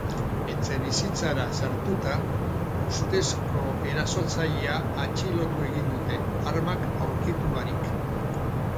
Etxebizitzara sartuta, ustezko erasotzailea atxilotu egin dute, armak aurkitu barik.